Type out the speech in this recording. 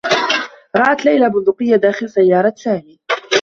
رأت ليلى بندقيّة داخل سيّارة سامي.